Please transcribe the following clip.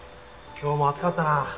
今日も暑かったな。